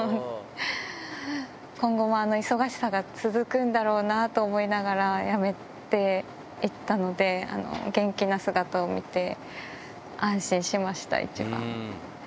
今後もあの忙しさが続くんだろうなって思いながら、辞めていったので、元気な姿を見て、安心しました、一番。